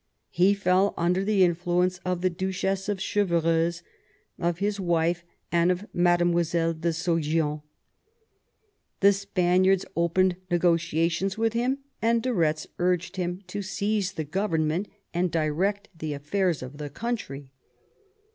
He fell under the influence of the Duchess of Chevreuse, of his wife, and of Madlle. de Saugeon. The Spaniards opened negotiations with him, and de Retz urged him to seize the government and direct the afiairs of the country.